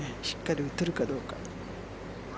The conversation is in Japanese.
しっかり打てるかどうか。